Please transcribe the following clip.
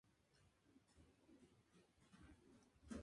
Hijo de Juan Manuel de Riaño Cuetos y de Rosa de la Bárcena Velarde.